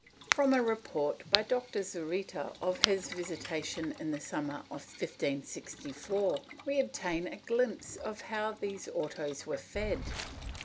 From a report by Dr. Zurita of his visitation in the summer of 1564, we obtain a glimpse of how these autos were fed.